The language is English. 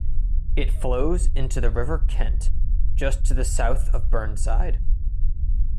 It flows into the River Kent just to the south of Burneside.